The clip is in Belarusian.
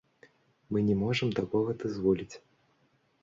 Мы не можам такога дазволіць.